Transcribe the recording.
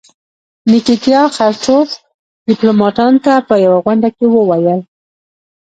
نیکیتیا خروچوف ډیپلوماتانو ته په یوه غونډه کې وویل.